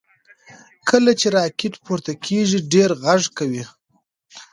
کله چې راکټ پورته کیږي ډېر غږ کوي.